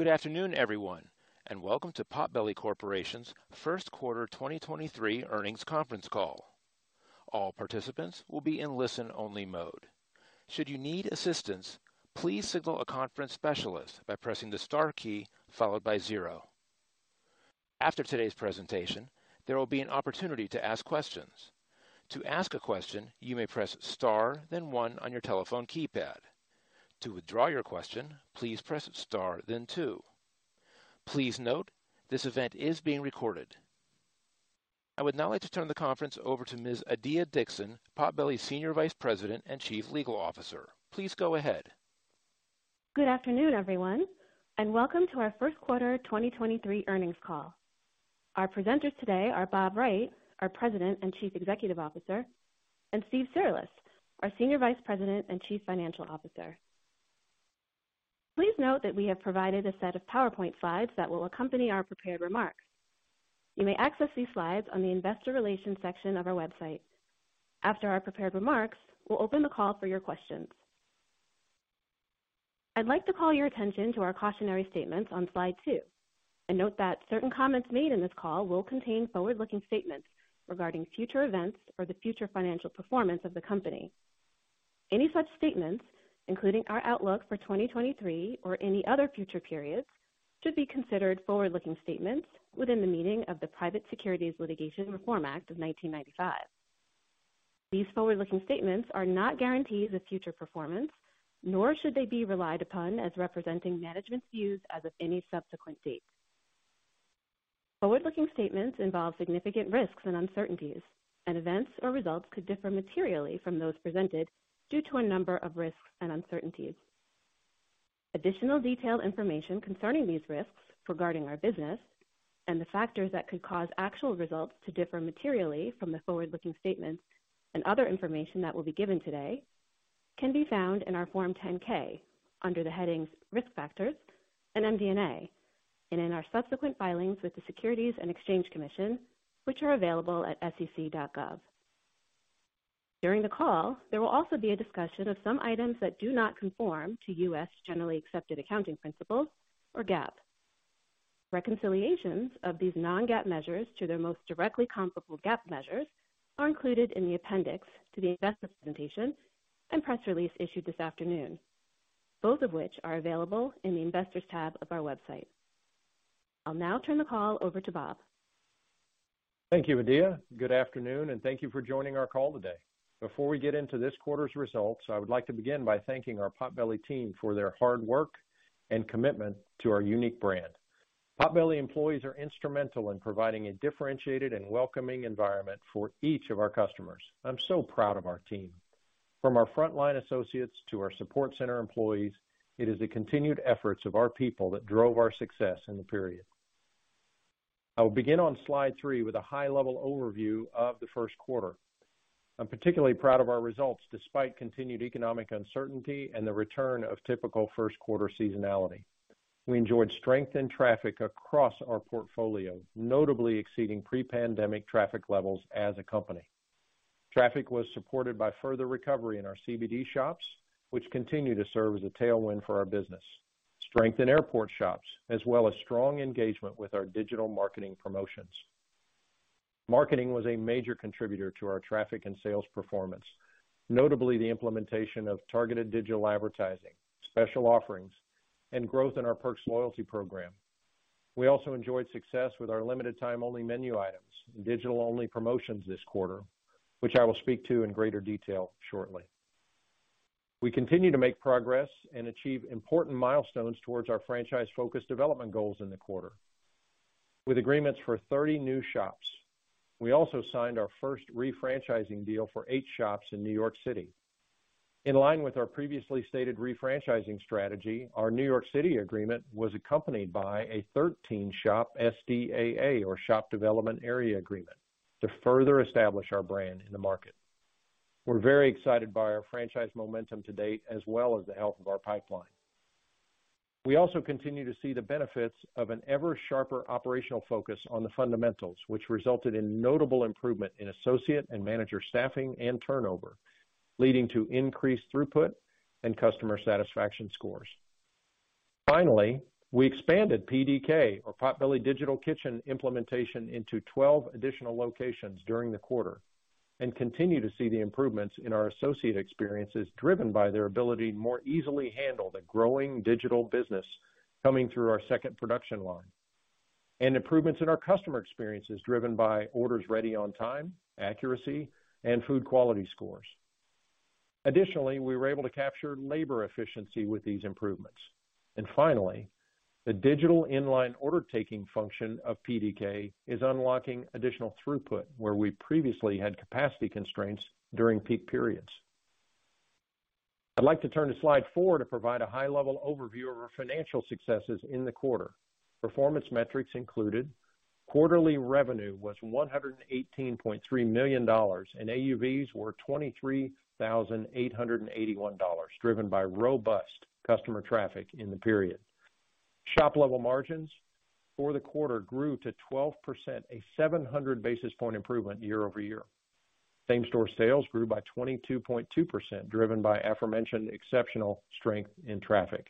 Good afternoon, everyone, and welcome to Potbelly Corporation's first quarter 2023 earnings conference call. All participants will be in listen-only mode. Should you need assistance, please signal a conference specialist by pressing the star key followed by zero. After today's presentation, there will be an opportunity to ask questions. To ask a question, you may press star then one on your telephone keypad. To withdraw your question, please press star then two. Please note, this event is being recorded. I would now like to turn the conference over to Ms. Adiya Dixon, Potbelly's Senior Vice President and Chief Legal Officer. Please go ahead. Good afternoon, everyone, and welcome to our 1st quarter 2023 earnings call. Our presenters today are Bob Wright, our President and Chief Executive Officer, and Steve Cirulis, our Senior Vice President and Chief Financial Officer. Please note that we have provided a set of PowerPoint slides that will accompany our prepared remarks. You may access these slides on the investor relations section of our website. After our prepared remarks, we'll open the call for your questions. I'd like to call your attention to our cautionary statements on slide two, and note that certain comments made in this call will contain forward-looking statements regarding future events or the future financial performance of the company. Any such statements, including our outlook for 2023 or any other future periods, should be considered forward-looking statements within the meaning of the Private Securities Litigation Reform Act of 1995. These forward-looking statements are not guarantees of future performance, nor should they be relied upon as representing management's views as of any subsequent date. Forward-looking statements involve significant risks and uncertainties, and events or results could differ materially from those presented due to a number of risks and uncertainties. Additional detailed information concerning these risks regarding our business and the factors that could cause actual results to differ materially from the forward-looking statements and other information that will be given today can be found in our Form 10-K under the headings Risk Factors and MD&A and in our subsequent filings with the Securities and Exchange Commission, which are available at sec.gov. During the call, there will also be a discussion of some items that do not conform to U.S. Generally Accepted Accounting Principles or GAAP. Reconciliations of these non-GAAP measures to their most directly comparable GAAP measures are included in the appendix to the investor presentation and press release issued this afternoon, both of which are available in the Investors tab of our website. I'll now turn the call over to Bob. Thank you, Adiya. Good afternoon, and thank you for joining our call today. Before we get into this quarter's results, I would like to begin by thanking our Potbelly team for their hard work and commitment to our unique brand. Potbelly employees are instrumental in providing a differentiated and welcoming environment for each of our customers. I'm so proud of our team. From our frontline associates to our support center employees, it is the continued efforts of our people that drove our success in the period. I will begin on slide three with a high-level overview of the first quarter. I'm particularly proud of our results despite continued economic uncertainty and the return of typical first quarter seasonality. We enjoyed strength in traffic across our portfolio, notably exceeding pre-pandemic traffic levels as a company. Traffic was supported by further recovery in our CBD shops, which continue to serve as a tailwind for our business, strength in airport shops, as well as strong engagement with our digital marketing promotions. Marketing was a major contributor to our traffic and sales performance, notably the implementation of targeted digital advertising, special offerings, and growth in our Perks loyalty program. We also enjoyed success with our limited time-only menu items and digital-only promotions this quarter, which I will speak to in greater detail shortly. We continue to make progress and achieve important milestones towards our franchise-focused development goals in the quarter. With agreements for 30 new shops, we also signed our first refranchising deal for eight shops in New York City. In line with our previously stated refranchising strategy, our New York City agreement was accompanied by a 13-shop SDAA or Shop Development Area Agreement to further establish our brand in the market. We're very excited by our franchise momentum to date as well as the health of our pipeline. We also continue to see the benefits of an ever sharper operational focus on the fundamentals, which resulted in notable improvement in associate and manager staffing and turnover, leading to increased throughput and customer satisfaction scores. Finally, we expanded PDK or Potbelly Digital Kitchen implementation into 12 additional locations during the quarter and continue to see the improvements in our associate experiences driven by their ability to more easily handle the growing digital business coming through our second production line, and improvements in our customer experiences driven by orders ready on time, accuracy, and food quality scores. We were able to capture labor efficiency with these improvements. Finally, the digital inline order taking function of PDK is unlocking additional throughput where we previously had capacity constraints during peak periods. I'd like to turn to slide four to provide a high-level overview of our financial successes in the quarter. Performance metrics included quarterly revenue was $118.3 million, and AUVs were $23,881, driven by robust customer traffic in the period. Shop level margins for the quarter grew to 12%, a 700 basis point improvement year-over-year. Same-store sales grew by 22.2%, driven by aforementioned exceptional strength in traffic.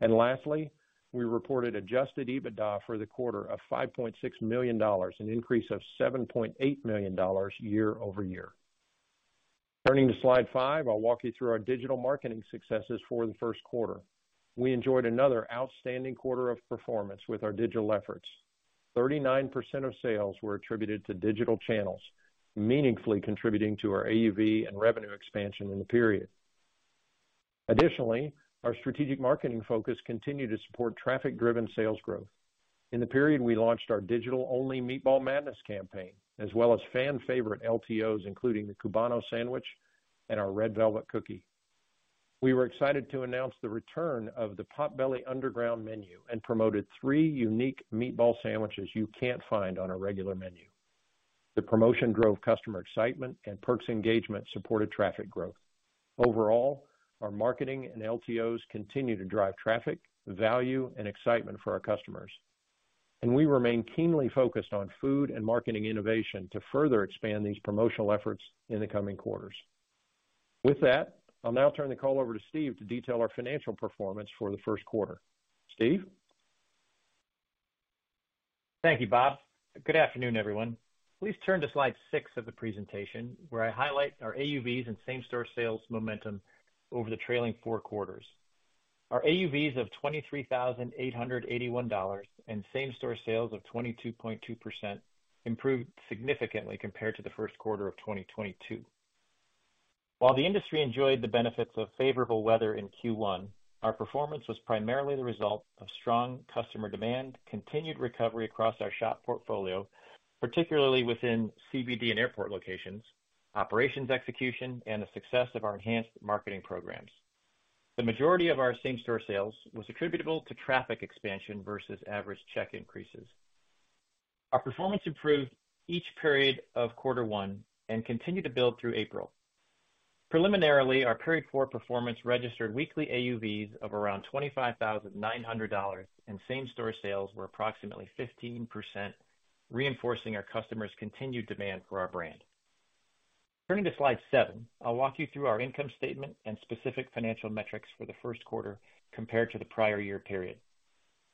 Lastly, we reported adjusted EBITDA for the quarter of $5.6 million, an increase of $7.8 million year-over-year. Turning to slide five, I'll walk you through our digital marketing successes for the first quarter. We enjoyed another outstanding quarter of performance with our digital efforts. 39% of sales were attributed to digital channels, meaningfully contributing to our AUV and revenue expansion in the period. Additionally, our strategic marketing focus continued to support traffic driven sales growth. In the period, we launched our digital only Meatball Madness campaign, as well as fan favorite LTOs, including the Cubano sandwich and our Red Velvet Cookie. We were excited to announce the return of the Potbelly Underground menu and promoted three unique meatball sandwiches you can't find on a regular menu. The promotion drove customer excitement and perks engagement supported traffic growth. Overall, our marketing and LTOs continue to drive traffic, value, and excitement for our customers, and we remain keenly focused on food and marketing innovation to further expand these promotional efforts in the coming quarters. With that, I'll now turn the call over to Steve to detail our financial performance for the first quarter. Steve? Thank you, Bob. Good afternoon, everyone. Please turn to slide six of the presentation, where I highlight our AUVs and same-store sales momentum over the trailing four quarters. Our AUVs of $23,881 and same-store sales of 22.2% improved significantly compared to the first quarter of 2022. While the industry enjoyed the benefits of favorable weather in Q1, our performance was primarily the result of strong customer demand, continued recovery across our shop portfolio, particularly within CBD and airport locations, operations execution, and the success of our enhanced marketing programs. The majority of our same-store sales was attributable to traffic expansion versus average check increases. Our performance improved each period of quarter one and continued to build through April. Preliminarily, our period four performance registered weekly AUVs of around $25,900 and same-store sales were approximately 15%, reinforcing our customers' continued demand for our brand. Turning to slide seven, I'll walk you through our income statement and specific financial metrics for the first quarter compared to the prior year period.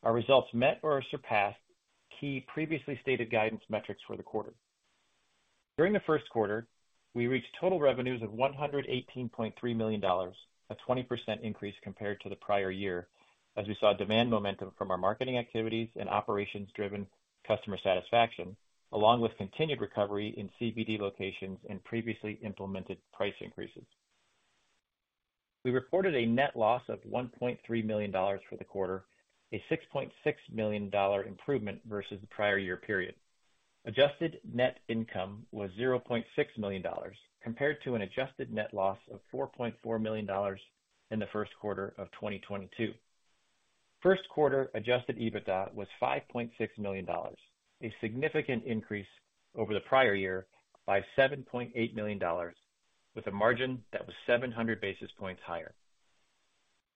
Our results met or surpassed key previously stated guidance metrics for the quarter. During the first quarter, we reached total revenues of $118.3 million, a 20% increase compared to the prior year, as we saw demand momentum from our marketing activities and operations driven customer satisfaction, along with continued recovery in CBD locations and previously implemented price increases. We reported a net loss of $1.3 million for the quarter, a $6.6 million improvement versus the prior year period. Adjusted net income was $0.6 million compared to an adjusted net loss of $4.4 million in the first quarter of 2022. First quarter adjusted EBITDA was $5.6 million, a significant increase over the prior year by $7.8 million, with a margin that was 700 basis points higher.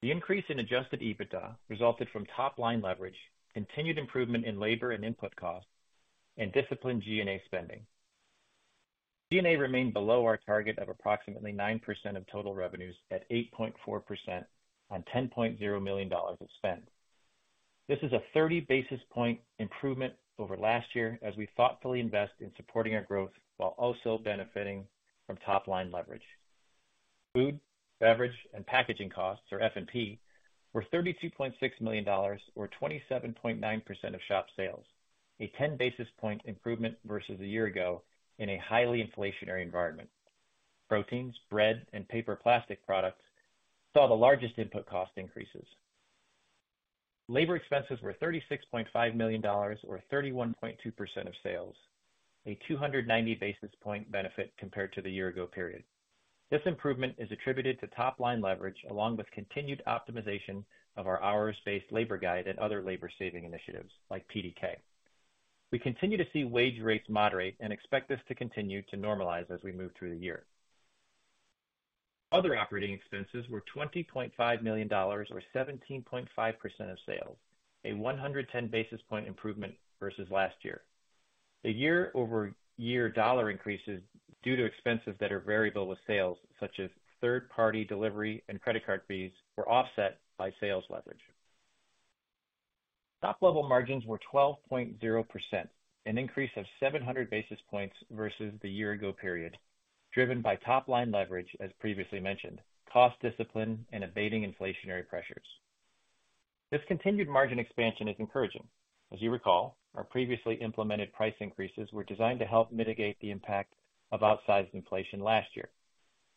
The increase in adjusted EBITDA resulted from top line leverage, continued improvement in labor and input costs and disciplined G&A spending. G&A remained below our target of approximately 9% of total revenues at 8.4% on $10.0 million of spend. This is a 30 basis point improvement over last year as we thoughtfully invest in supporting our growth while also benefiting from top line leverage. Food, beverage, and packaging costs, or F&P, were $32.6 million or 27.9% of shop sales, a 10 basis point improvement versus a year ago in a highly inflationary environment. Proteins, bread, and paper plastic products saw the largest input cost increases. Labor expenses were $36.5 million or 31.2% of sales, a 290 basis point benefit compared to the year ago period. This improvement is attributed to top line leverage along with continued optimization of our hours-based labor guide and other labor saving initiatives like PDK. We continue to see wage rates moderate and expect this to continue to normalize as we move through the year. Other operating expenses were $20.5 million or 17.5% of sales, a 110 basis point improvement versus last year. The year-over-year dollar increases due to expenses that are variable with sales, such as third party delivery and credit card fees, were offset by sales leverage. Top level margins were 12.0%, an increase of 700 basis points versus the year-ago period, driven by top line leverage, as previously mentioned, cost discipline and abating inflationary pressures. This continued margin expansion is encouraging. As you recall, our previously implemented price increases were designed to help mitigate the impact of outsized inflation last year.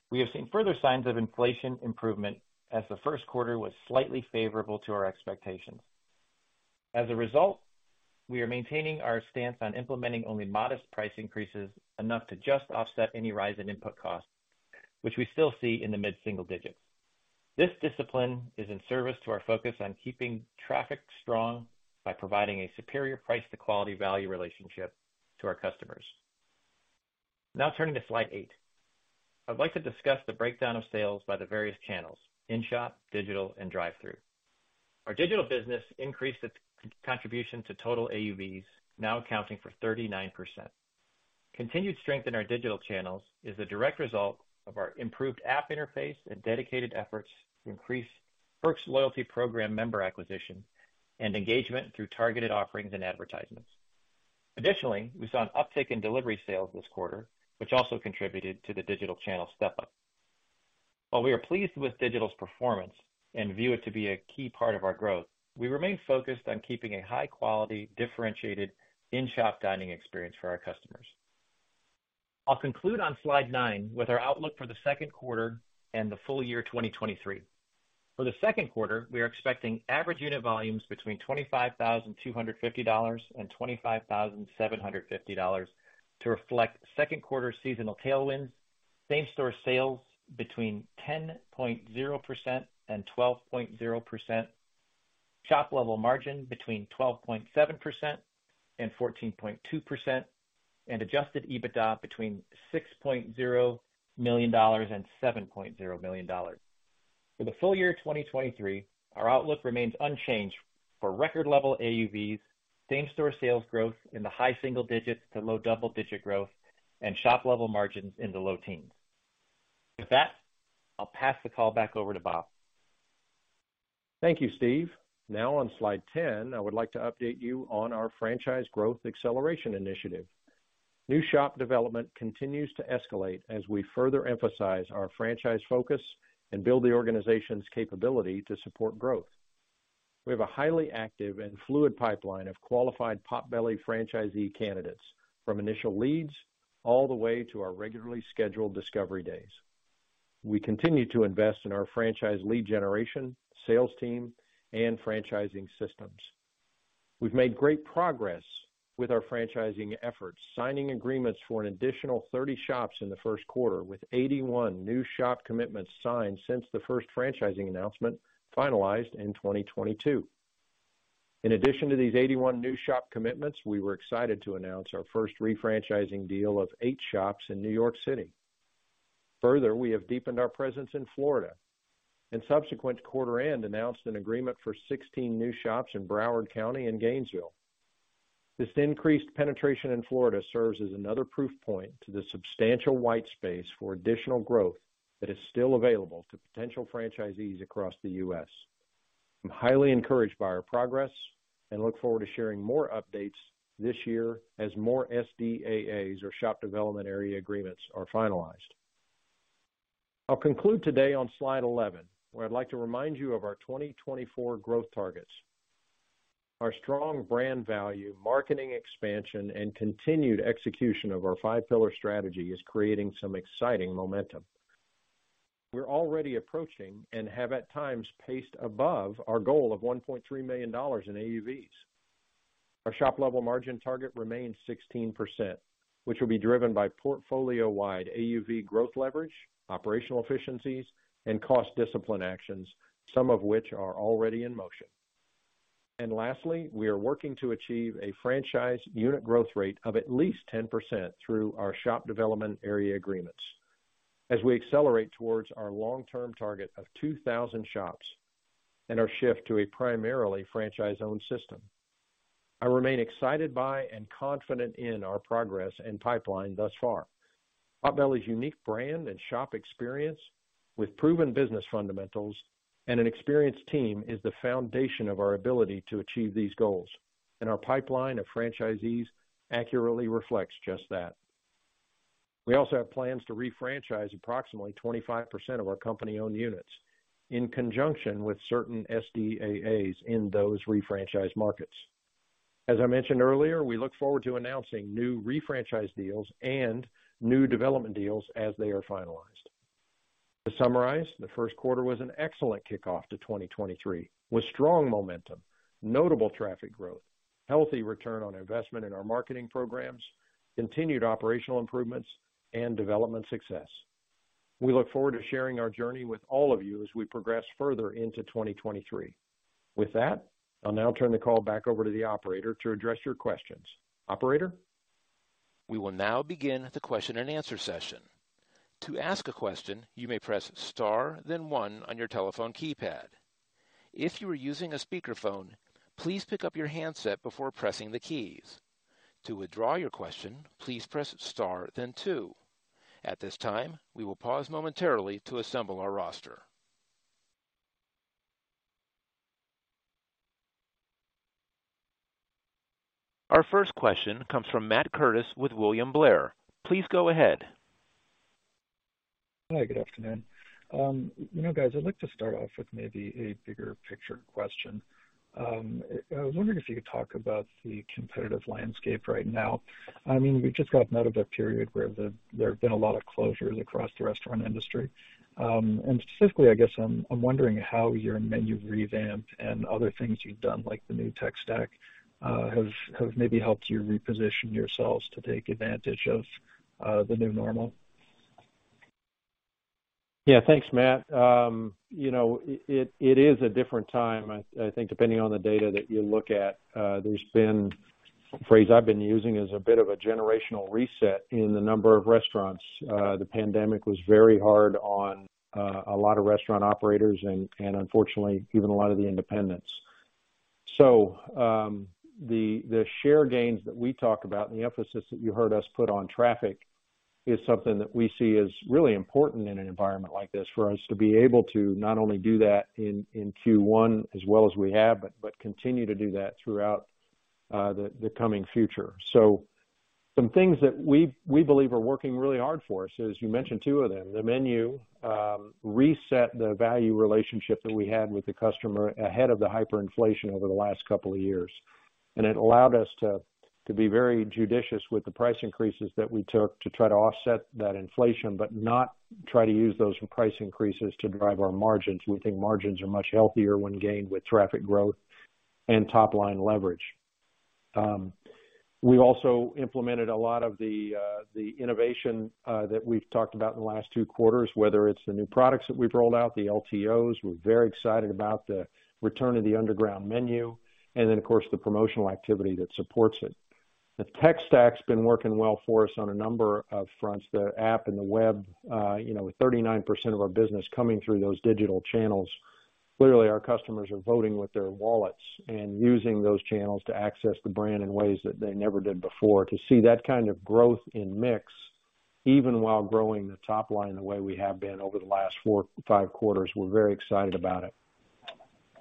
We have seen further signs of inflation improvement as the first quarter was slightly favorable to our expectations. As a result, we are maintaining our stance on implementing only modest price increases enough to just offset any rise in input costs, which we still see in the mid-single digits. This discipline is in service to our focus on keeping traffic strong by providing a superior price to quality value relationship to our customers. Turning to slide eight. I'd like to discuss the breakdown of sales by the various channels: in-shop, digital, and drive-through. Our digital business increased its contribution to total AUVs, now accounting for 39%. Continued strength in our digital channels is a direct result of our improved app interface and dedicated efforts to increase Perks loyalty program member acquisition and engagement through targeted offerings and advertisements. We saw an uptick in delivery sales this quarter, which also contributed to the digital channel step up. We are pleased with digital's performance and view it to be a key part of our growth, we remain focused on keeping a high quality, differentiated in-shop dining experience for our customers. I'll conclude on slide nine with our outlook for the second quarter and the full year 2023. For the second quarter, we are expecting average unit volumes between $25,250 and $25,750 to reflect second quarter seasonal tailwinds, same-store sales between 10.0% and 12.0%, shop level margin between 12.7% and 14.2%, and adjusted EBITDA between $6.0 million and $7.0 million. For the full year 2023, our outlook remains unchanged for record level AUVs, same-store sales growth in the high single digits to low double-digit growth, and shop level margins in the low teens. With that, I'll pass the call back over to Bob. Thank you, Steve. On slide 10, I would like to update you on our franchise growth acceleration initiative. New shop development continues to escalate as we further emphasize our franchise focus and build the organization's capability to support growth. We have a highly active and fluid pipeline of qualified Potbelly franchisee candidates from initial leads all the way to our regularly scheduled discovery days. We continue to invest in our franchise lead generation, sales team, and franchising systems. We've made great progress with our franchising efforts, signing agreements for an additional 30 shops in the first quarter, with 81 new shop commitments signed since the first franchising announcement finalized in 2022. In addition to these 81 new shop commitments, we were excited to announce our first refranchising deal of eight shops in New York City. We have deepened our presence in Florida and subsequent to quarter end, announced an agreement for 16 new shops in Broward County and Gainesville. This increased penetration in Florida serves as another proof point to the substantial white space for additional growth that is still available to potential franchisees across the U.S.. I'm highly encouraged by our progress and look forward to sharing more updates this year as more SDAAs or shop development area agreements are finalized. I'll conclude today on slide 11, where I'd like to remind you of our 2024 growth targets. Our strong brand value, marketing expansion, and continued execution of our five pillar strategy is creating some exciting momentum. We're already approaching and have at times paced above our goal of $1.3 million in AUVs. Our shop level margin target remains 16%, which will be driven by portfolio-wide AUV growth leverage, operational efficiencies, and cost discipline actions, some of which are already in motion. Lastly, we are working to achieve a franchise unit growth rate of at least 10% through our shop development area agreements as we accelerate towards our long-term target of 2,000 shops and our shift to a primarily franchise-owned system. I remain excited by and confident in our progress and pipeline thus far. Potbelly's unique brand and shop experience with proven business fundamentals and an experienced team is the foundation of our ability to achieve these goals. Our pipeline of franchisees accurately reflects just that. We also have plans to refranchise approximately 25% of our company-owned units in conjunction with certain SDAAs in those refranchise markets. As I mentioned earlier, we look forward to announcing new refranchise deals and new development deals as they are finalized. To summarize, the first quarter was an excellent kickoff to 2023, with strong momentum, notable traffic growth, healthy return on investment in our marketing programs, continued operational improvements, and development success. We look forward to sharing our journey with all of you as we progress further into 2023. With that, I'll now turn the call back over to the operator to address your questions. Operator? We will now begin the question and answer session. To ask a question, you may press star then one on your telephone keypad. If you are using a speakerphone, please pick up your handset before pressing the keys. To withdraw your question, please press star then two. At this time, we will pause momentarily to assemble our roster. Our first question comes from Matt Curtis with William Blair. Please go ahead. Hi. Good afternoon. you know, guys, I'd like to start off with maybe a bigger picture question. I was wondering if you could talk about the competitive landscape right now. I mean, we just got out of a period where there have been a lot of closures across the restaurant industry. Specifically, I guess I'm wondering how your menu revamp and other things you've done, like the new tech stack, have maybe helped you reposition yourselves to take advantage of the new normal. Yeah. Thanks, Matt. you know, it is a different time. I think depending on the data that you look at, A phrase I've been using is a bit of a generational reset in the number of restaurants. The pandemic was very hard on a lot of restaurant operators and unfortunately, even a lot of the independents. The share gains that we talk about and the emphasis that you heard us put on traffic is something that we see as really important in an environment like this for us to be able to not only do that in Q1 as well as we have, but continue to do that throughout the coming future. Some things that we believe are working really hard for us, as you mentioned two of them, the menu reset the value relationship that we had with the customer ahead of the hyperinflation over the last couple of years. It allowed us to be very judicious with the price increases that we took to try to offset that inflation, but not try to use those price increases to drive our margins. We think margins are much healthier when gained with traffic growth and top-line leverage. We also implemented a lot of the innovation that we've talked about in the last two quarters, whether it's the new products that we've rolled out, the LTOs. We're very excited about the return of the Potbelly Underground menu and then, of course, the promotional activity that supports it. The tech stack's been working well for us on a number of fronts. The app and the web, you know, with 39% of our business coming through those digital channels, clearly our customers are voting with their wallets and using those channels to access the brand in ways that they never did before. To see that kind of growth in mix, even while growing the top line the way we have been over the last four, five quarters, we're very excited about it.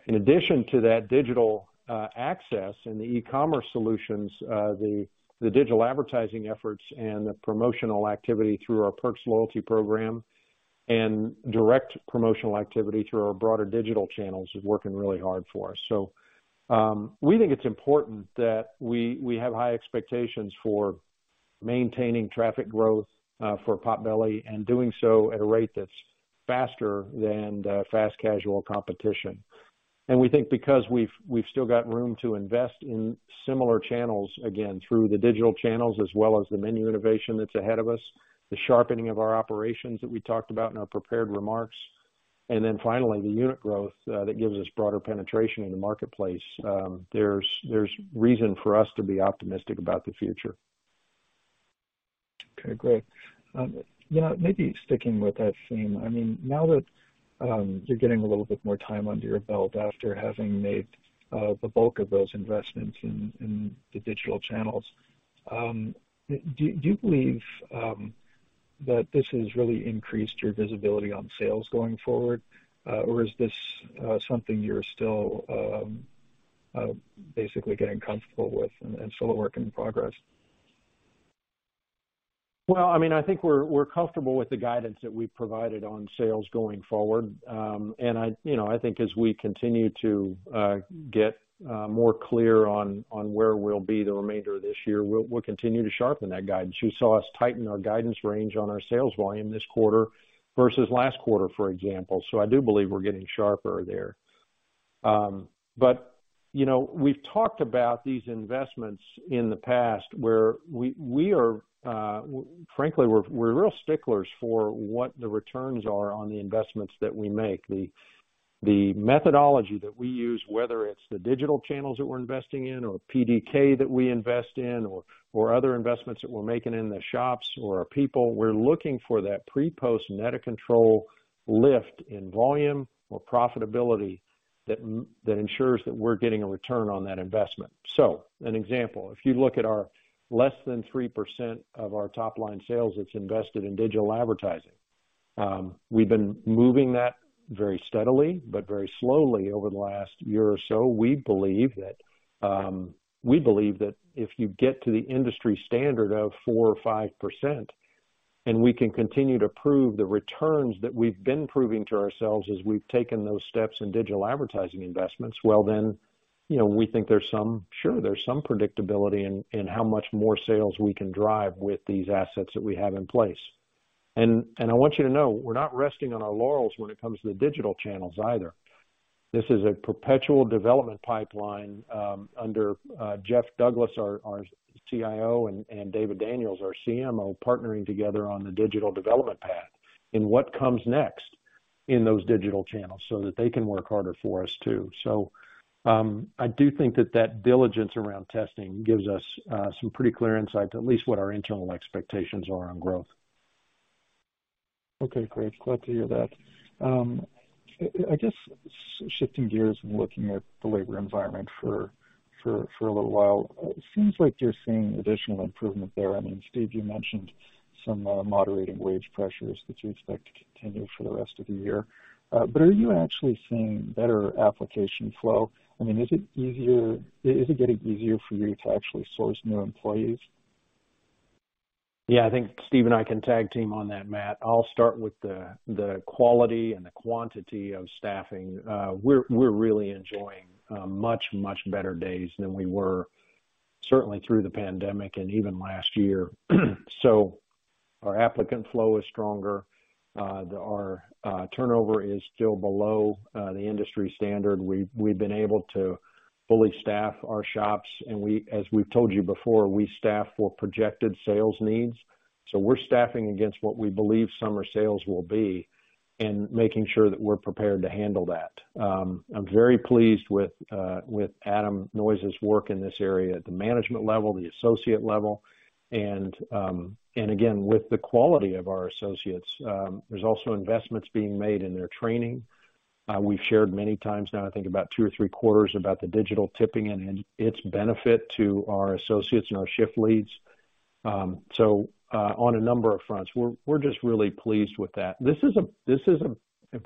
In addition to that digital access and the e-commerce solutions, the digital advertising efforts and the promotional activity through our Perks Loyalty program and direct promotional activity through our broader digital channels is working really hard for us. We think it's important that we have high expectations for maintaining traffic growth for Potbelly and doing so at a rate that's faster than the fast casual competition. We think because we've still got room to invest in similar channels, again, through the digital channels as well as the menu innovation that's ahead of us, the sharpening of our operations that we talked about in our prepared remarks, and then finally, the unit growth that gives us broader penetration in the marketplace, there's reason for us to be optimistic about the future. Okay, great. Maybe sticking with that theme. I mean, now that you're getting a little bit more time under your belt after having made the bulk of those investments in the digital channels, do you believe that this has really increased your visibility on sales going forward? Is this something you're still basically getting comfortable with and still a work in progress? Well, I mean, I think we're comfortable with the guidance that we provided on sales going forward. I, you know, I think as we continue to get more clear on where we'll be the remainder of this year, we'll continue to sharpen that guidance. You saw us tighten our guidance range on our sales volume this quarter versus last quarter, for example. I do believe we're getting sharper there. You know, we've talked about these investments in the past where we are, frankly, we're real sticklers for what the returns are on the investments that we make. The methodology that we use, whether it's the digital channels that we're investing in or PDK that we invest in or other investments that we're making in the shops or our people, we're looking for that pre-post net of control lift in volume or profitability that ensures that we're getting a return on that investment. An example, if you look at our less than 3% of our top-line sales that's invested in digital advertising, we've been moving that very steadily but very slowly over the last year or so. We believe that we believe that if you get to the industry standard of 4% or 5%, and we can continue to prove the returns that we've been proving to ourselves as we've taken those steps in digital advertising investments, well, then, you know, we think there's sure, there's some predictability in how much more sales we can drive with these assets that we have in place. I want you to know, we're not resting on our laurels when it comes to the digital channels either. This is a perpetual development pipeline under Jeff Douglas, our CIO, and David Daniels, our CMO, partnering together on the digital development path and what comes next in those digital channels so that they can work harder for us too. I do think that that diligence around testing gives us some pretty clear insight to at least what our internal expectations are on growth. Okay, great. Glad to hear that. I guess shifting gears and looking at the labor environment for a little while, it seems like you're seeing additional improvement there. I mean, Steve, you mentioned some moderating wage pressures that you expect to continue for the rest of the year. Are you actually seeing better application flow? I mean, is it getting easier for you to actually source new employees? I think Steve and I can tag team on that, Matt. I'll start with the quality and the quantity of staffing. We're really enjoying much, much better days than we were certainly through the pandemic and even last year. Our applicant flow is stronger. Our turnover is still below the industry standard. We've been able to fully staff our shops, and we, as we've told you before, we staff for projected sales needs. We're staffing against what we believe summer sales will be and making sure that we're prepared to handle that. I'm very pleased with Adam Noyes' work in this area at the management level, the associate level, and again, with the quality of our associates. There's also investments being made in their training. We've shared many times now, I think about two or three quarters about the digital tipping and its benefit to our associates and our shift leads. On a number of fronts, we're just really pleased with that. This is a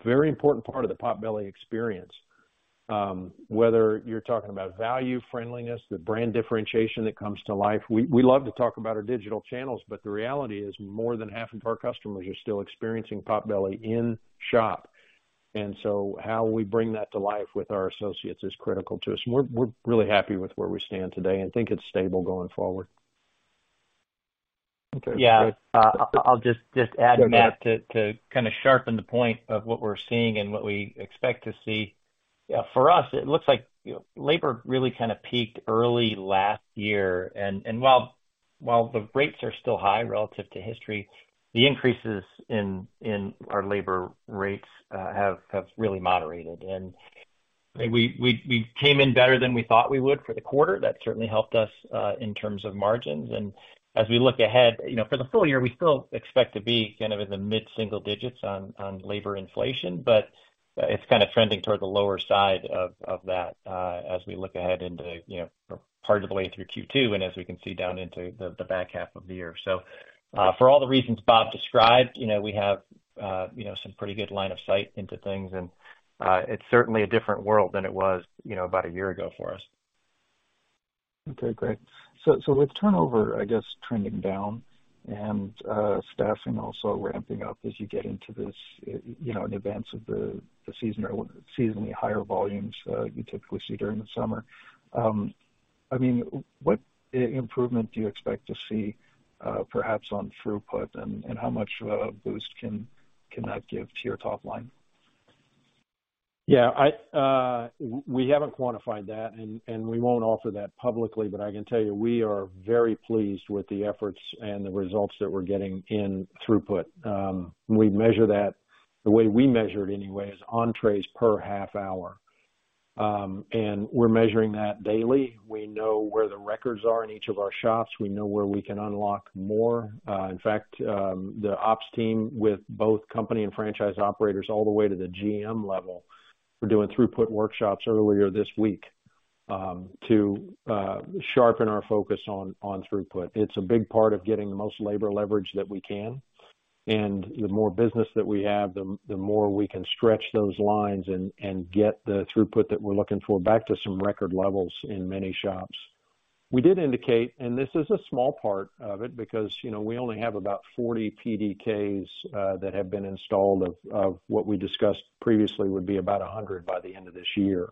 very important part of the Potbelly experience. Whether you're talking about value, friendliness, the brand differentiation that comes to life, we love to talk about our digital channels, but the reality is, more than half of our customers are still experiencing Potbelly in shop. How we bring that to life with our associates is critical to us. We're really happy with where we stand today and think it's stable going forward. Okay. Great. Yeah. I'll just add, Matt, to kind of sharpen the point of what we're seeing and what we expect to see. Yeah, for us, it looks like, you know, labor really kind of peaked early last year. While the rates are still high relative to history, the increases in our labor rates have really moderated. We came in better than we thought we would for the quarter. That certainly helped us in terms of margins. As we look ahead, you know, for the full year, we still expect to be kind of in the mid-single digits on labor inflation, but it's kind of trending toward the lower side of that, as we look ahead into, you know, part of the way through Q2 and as we can see down into the back half of the year. For all the reasons Bob described, you know, we have, you know, some pretty good line of sight into things. It's certainly a different world than it was, you know, about a year ago for us. Okay, great. With turnover, I guess, trending down and staffing also ramping up as you get into this, you know, in advance of the season or seasonally higher volumes you typically see during the summer. I mean, what improvement do you expect to see perhaps on throughput and how much of a boost can that give to your top line? Yeah, we haven't quantified that, and we won't offer that publicly, but I can tell you, we are very pleased with the efforts and the results that we're getting in throughput. We measure that. The way we measure it anyway is entrees per half hour. We're measuring that daily. We know where the records are in each of our shops. We know where we can unlock more. In fact, the ops team with both company and franchise operators all the way to the GM level were doing throughput workshops earlier this week, to sharpen our focus on throughput. It's a big part of getting the most labor leverage that we can. The more business that we have, the more we can stretch those lines and get the throughput that we're looking for back to some record levels in many shops. We did indicate, this is a small part of it because, you know, we only have about 40 PDKs that have been installed of what we discussed previously would be about 100 by the end of this year.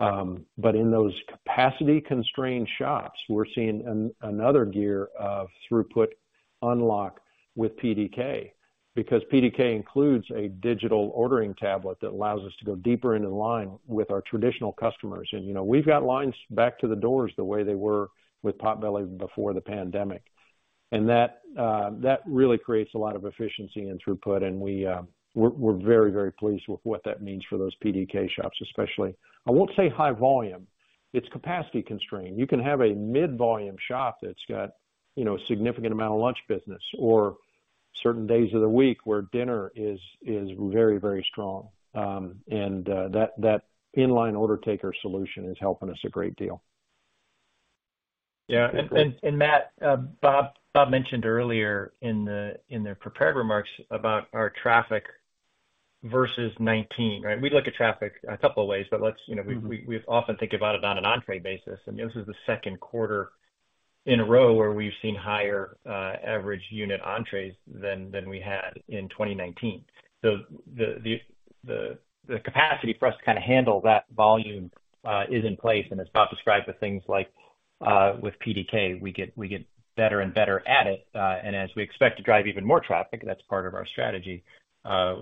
But in those capacity-constrained shops, we're seeing another gear of throughput unlock with PDK because PDK includes a digital ordering tablet that allows us to go deeper in the line with our traditional customers. You know, we've got lines back to the doors the way they were with Potbelly before the pandemic. That really creates a lot of efficiency in throughput, and we're very, very pleased with what that means for those PDK shops, especially. I won't say high volume. It's capacity constrained. You can have a mid-volume shop that's got, you know, a significant amount of lunch business or certain days of the week where dinner is very, very strong. That inline order taker solution is helping us a great deal. Yeah. Matt, Bob mentioned earlier in the prepared remarks about our traffic versus 2019, right? We look at traffic a couple of ways, but let's, you know. Mm-hmm. We often think about it on an entree basis. I mean, this is the second quarter in a row where we've seen higher average unit entrees than we had in 2019. The capacity for us to kind of handle that volume is in place. As Bob described, the things like with PDK, we get better and better at it. As we expect to drive even more traffic, that's part of our strategy,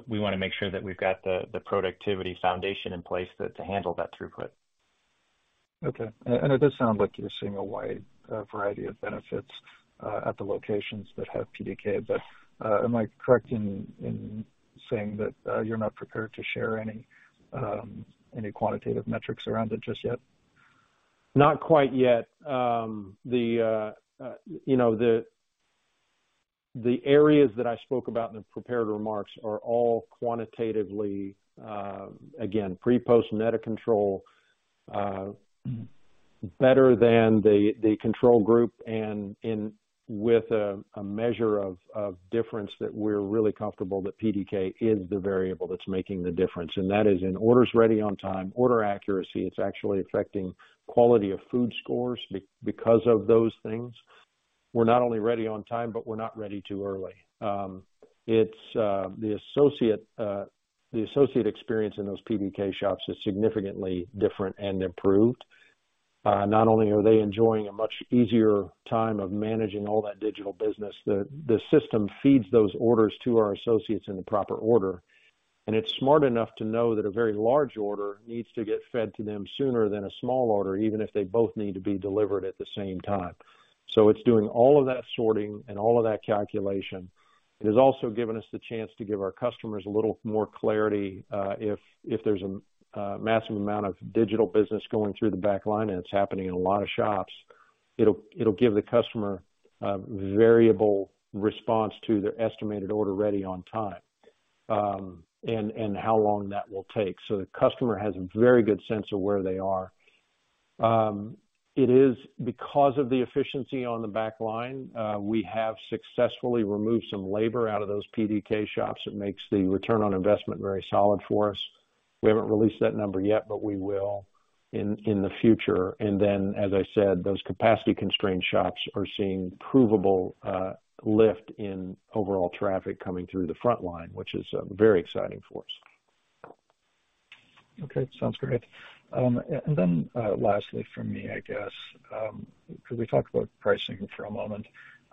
we wanna make sure that we've got the productivity foundation in place that to handle that throughput. Okay. It does sound like you're seeing a wide variety of benefits at the locations that have PDK. Am I correct in saying that you're not prepared to share any quantitative metrics around it just yet? Not quite yet. you know, the areas that I spoke about in the prepared remarks are all quantitatively, again, pre/post net of control, better than the control group and with a measure of difference that we're really comfortable that PDK is the variable that's making the difference. That is in orders ready on time, order accuracy. It's actually affecting quality of food scores because of those things. We're not only ready on time, but we're not ready too early. It's the associate experience in those PDK shops is significantly different and improved. Not only are they enjoying a much easier time of managing all that digital business, the system feeds those orders to our associates in the proper order. It's smart enough to know that a very large order needs to get fed to them sooner than a small order, even if they both need to be delivered at the same time. It's doing all of that sorting and all of that calculation. It has also given us the chance to give our customers a little more clarity, if there's a massive amount of digital business going through the back line, and it's happening in a lot of shops, it'll give the customer a variable response to their estimated order ready on time, and how long that will take. The customer has a very good sense of where they are. It is because of the efficiency on the back line, we have successfully removed some labor out of those PDK shops. It makes the ROI very solid for us. We haven't released that number yet, but we will in the future. As I said, those capacity-constrained shops are seeing provable lift in overall traffic coming through the front line, which is very exciting for us. Okay. Sounds great. Lastly from me, I guess, could we talk about pricing for a moment?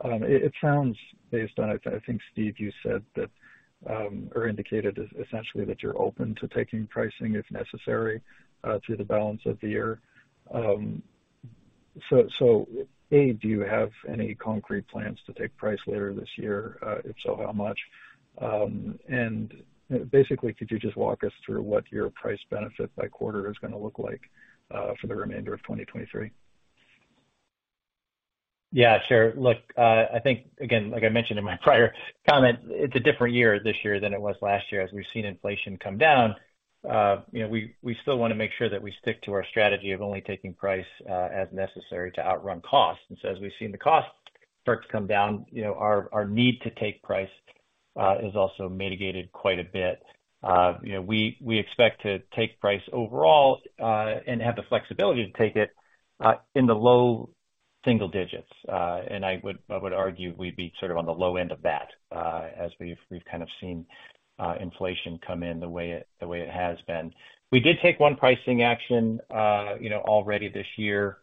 It, it sounds based on it, I think, Steve, you said that, or indicated essentially that you're open to taking pricing if necessary, through the balance of the year. A, do you have any concrete plans to take price later this year? If so, how much? Basically, could you just walk us through what your price benefit by quarter is gonna look like, for the remainder of 2023? Yeah, sure. Look, I think, again, like I mentioned in my prior comment, it's a different year this year than it was last year. As we've seen inflation come down, you know, we still wanna make sure that we stick to our strategy of only taking price, as necessary to outrun costs. As we've seen the cost start to come down, you know, our need to take price, is also mitigated quite a bit. You know, we expect to take price overall, and have the flexibility to take it, in the low single digits. I would, I would argue we'd be sort of on the low end of that, as we've kind of seen, inflation come in the way it, the way it has been. We did take one pricing action, you know, already this year,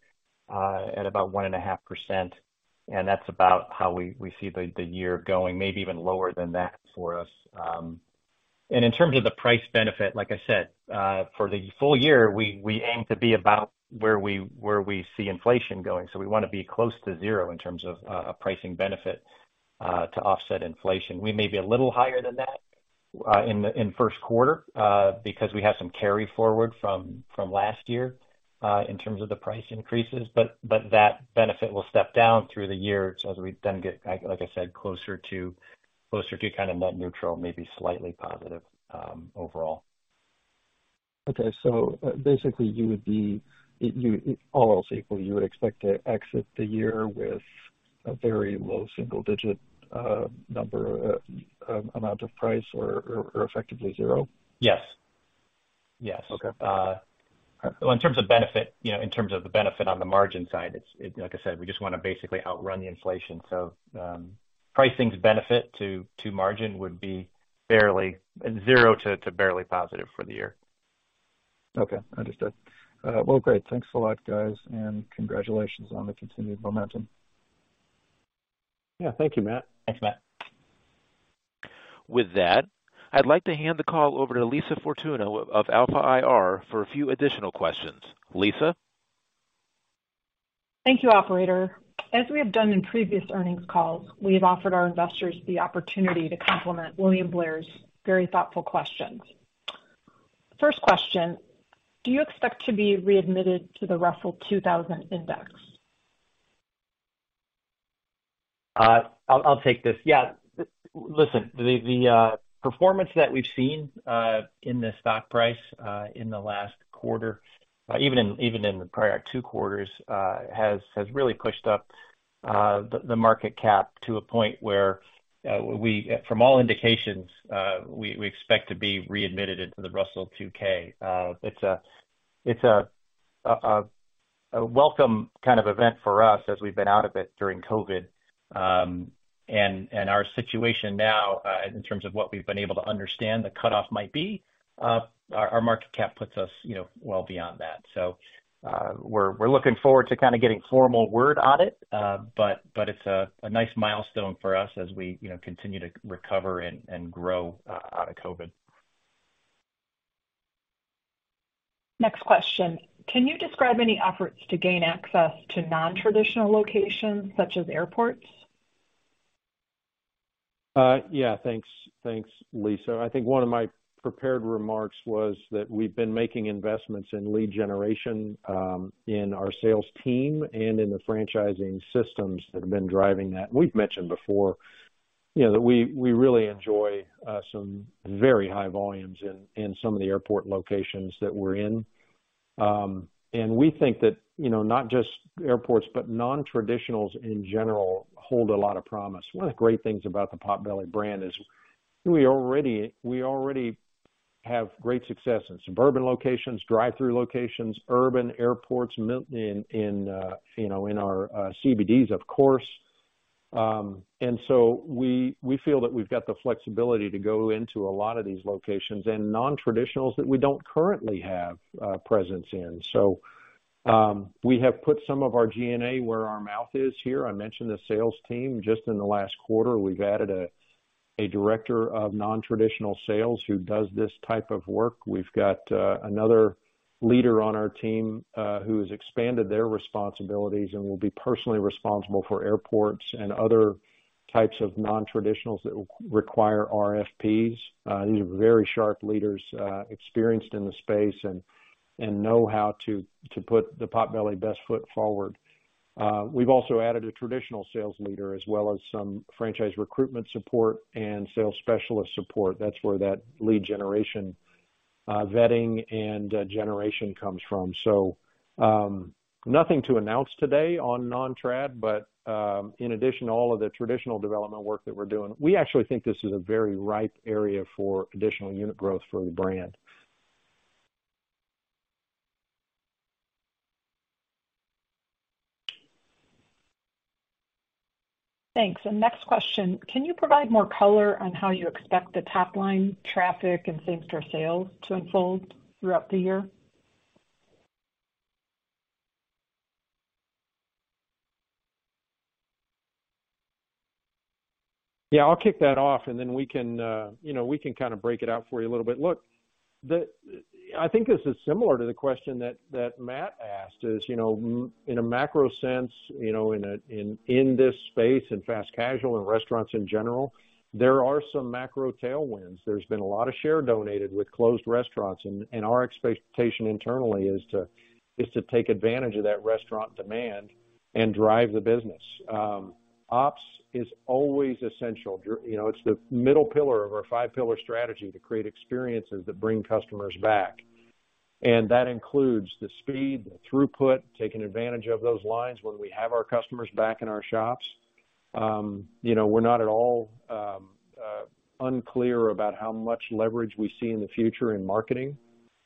at about 1.5%, and that's about how we see the year going, maybe even lower than that for us. In terms of the price benefit, like I said, for the full year, we aim to be about where we see inflation going. We wanna be close to 0 in terms of a pricing benefit to offset inflation. We may be a little higher than that in the first quarter because we have some carry forward from last year in terms of the price increases, but that benefit will step down through the year as we then get, like I said, closer to kind of net neutral, maybe slightly positive, overall. Basically, all else equal, you would expect to exit the year with a very low single digit, number, amount of price or effectively zero? Yes. Yes. Okay. In terms of benefit, you know, in terms of the benefit on the margin side, it's like I said, we just wanna basically outrun the inflation. Pricing's benefit to margin would be barely zero to barely positive for the year. Okay, understood. Well, great. Thanks a lot, guys, and congratulations on the continued momentum. Yeah. Thank you, Matt. Thanks, Matt. With that, I'd like to hand the call over to Lisa Fortuna of Alpha IR for a few additional questions. Lisa? Thank you, operator. As we have done in previous earnings calls, we have offered our investors the opportunity to complement William Blair's very thoughtful questions. First question: Do you expect to be readmitted to the Russell 2000 Index? I'll take this. Yeah. Listen, the performance that we've seen in the stock price in the last quarter, even in the prior two quarters, has really pushed up the market cap to a point where from all indications, we expect to be readmitted into the Russell 2000. It's a welcome kind of event for us as we've been out of it during COVID. And our situation now, in terms of what we've been able to understand the cutoff might be, our market cap puts us, you know, well beyond that. We're looking forward to kind of getting formal word on it. It's a nice milestone for us as we, you know, continue to recover and grow out of COVID. Next question: Can you describe any efforts to gain access to non-traditional locations such as airports? Yeah, thanks. Thanks, Lisa. I think one of my prepared remarks was that we've been making investments in lead generation, in our sales team and in the franchising systems that have been driving that. We've mentioned before, you know, that we really enjoy some very high volumes in some of the airport locations that we're in. We think that, you know, not just airports, but nontraditionals in general hold a lot of promise. One of the great things about the Potbelly brand is we already have great success in suburban locations, drive-through locations, urban airports, in our CBDs, of course. We feel that we've got the flexibility to go into a lot of these locations and nontraditionals that we don't currently have presence in. We have put some of our G&A where our mouth is here. I mentioned the sales team. Just in the last quarter, we've added a director of nontraditional sales who does this type of work. We've got another leader on our team who has expanded their responsibilities and will be personally responsible for airports and other types of nontraditionals that require RFPs. These are very sharp leaders, experienced in the space and know how to put the Potbelly best foot forward. We've also added a traditional sales leader as well as some franchise recruitment support and sales specialist support. That's where that lead generation, vetting and generation comes from. Nothing to announce today on non-trad, but, in addition to all of the traditional development work that we're doing, we actually think this is a very ripe area for additional unit growth for the brand. Thanks. Next question. Can you provide more color on how you expect the top line traffic and same-store sales to unfold throughout the year? I'll kick that off, and then we can, you know, we can kind of break it out for you a little bit. Look, I think this is similar to the question that Matt asked, is, you know, in a macro sense, you know, in this space, in fast casual and restaurants in general, there are some macro tailwinds. There's been a lot of share donated with closed restaurants. Our expectation internally is to take advantage of that restaurant demand and drive the business. Ops is always essential. You know, it's the middle pillar of our five-pillar strategy to create experiences that bring customers back. That includes the speed, the throughput, taking advantage of those lines when we have our customers back in our shops. You know, we're not at all unclear about how much leverage we see in the future in marketing.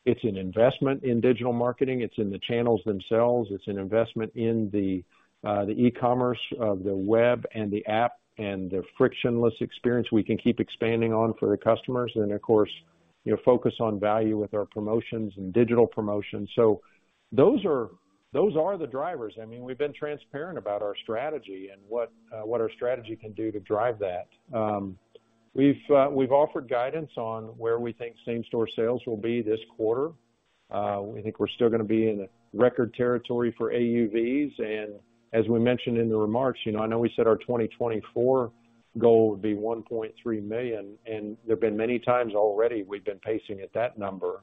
It's an investment in digital marketing. It's in the channels themselves. It's an investment in the e-commerce of the web and the app and the frictionless experience we can keep expanding on for the customers and then, of course, you know, focus on value with our promotions and digital promotions. Those are the drivers. I mean, we've been transparent about our strategy and what our strategy can do to drive that. We've offered guidance on where we think same-store sales will be this quarter. We think we're still gonna be in a record territory for AUVs. As we mentioned in the remarks, you know, I know we said our 2024 goal would be $1.3 million, and there have been many times already we've been pacing at that number.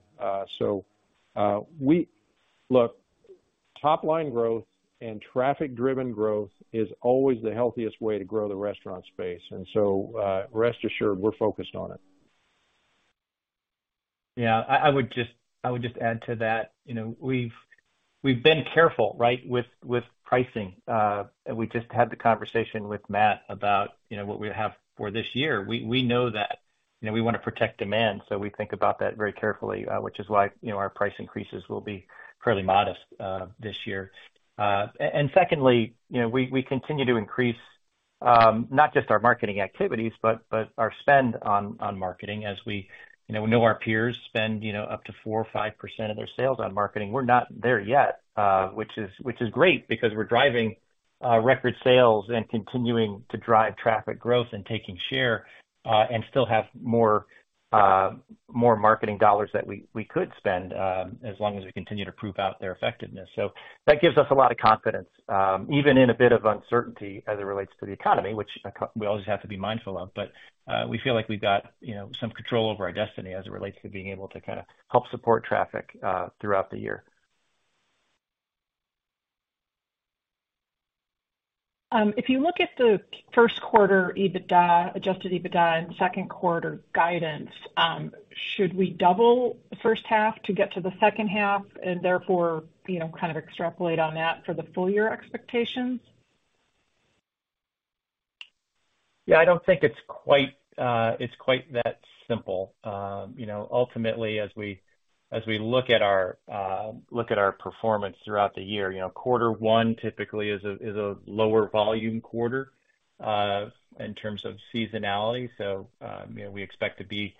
We Look, top line growth and traffic driven growth is always the healthiest way to grow the restaurant space, rest assured we're focused on it. Yeah, I would just add to that. You know, we've been careful, right, with pricing. We just had the conversation with Matt about, you know, what we have for this year. We know that, you know, we wanna protect demand, so we think about that very carefully, which is why, you know, our price increases will be fairly modest this year. Secondly, you know, we continue to increase, not just our marketing activities, but our spend on marketing as we. You know, we know our peers spend, you know, up to 4% or 5% of their sales on marketing. We're not there yet, which is great because we're driving record sales and continuing to drive traffic growth and taking share, and still have more marketing dollars that we could spend, as long as we continue to prove out their effectiveness. That gives us a lot of confidence, even in a bit of uncertainty as it relates to the economy, which we always have to be mindful of. We feel like we've got, you know, some control over our destiny as it relates to being able to kinda help support traffic throughout the year. If you look at the first quarter EBITDA, adjusted EBITDA and second quarter guidance, should we double the first half to get to the second half and therefore, you know, kind of extrapolate on that for the full year expectations? Yeah, I don't think it's quite, it's quite that simple. You know, ultimately, as we look at our performance throughout the year, you know, quarter one typically is a lower volume quarter, in terms of seasonality. You know, we expect to be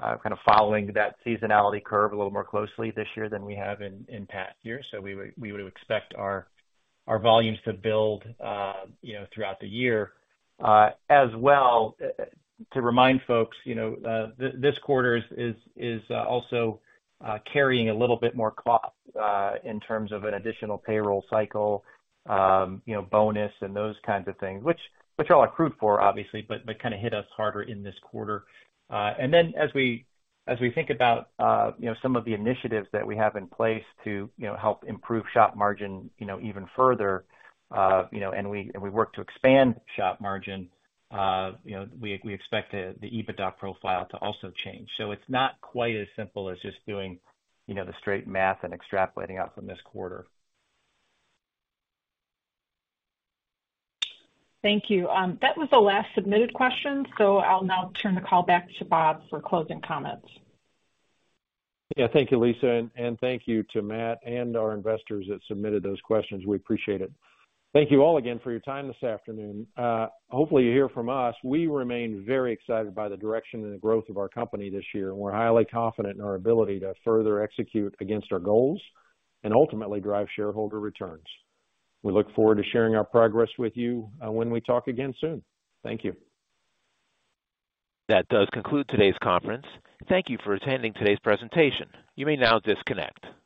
kind of following that seasonality curve a little more closely this year than we have in past years. We would expect our volumes to build, you know, throughout the year. As well, to remind folks, you know, this quarter is also carrying a little bit more cost, in terms of an additional payroll cycle, you know, bonus and those kinds of things, which all accrued for obviously, but kind of hit us harder in this quarter. Then as we think about, you know, some of the initiatives that we have in place to, you know, help improve shop margin, you know, even further, you know, and we work to expand shop margin, you know, we expect the EBITDA profile to also change. It's not quite as simple as just doing, you know, the straight math and extrapolating out from this quarter. Thank you. That was the last submitted question, so I'll now turn the call back to Bob for closing comments. Yeah. Thank you, Lisa, and thank you to Matt and our investors that submitted those questions. We appreciate it. Thank you all again for your time this afternoon. Hopefully you hear from us. We remain very excited by the direction and the growth of our company this year, and we're highly confident in our ability to further execute against our goals and ultimately drive shareholder returns. We look forward to sharing our progress with you, when we talk again soon. Thank you. That does conclude today's conference. Thank you for attending today's presentation. You may now disconnect.